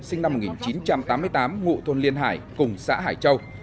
sinh năm một nghìn chín trăm tám mươi tám ngụ thôn liên hải cùng xã hải châu